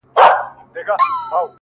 ما يې توبه د کور ومخته په کوڅه کي وکړه،